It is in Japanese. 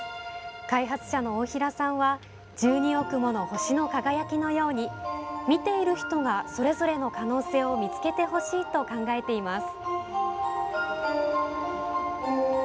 開発者の大平さんは１２億もの星の輝きのように見ている人がそれぞれの可能性を見つけてほしいと考えています。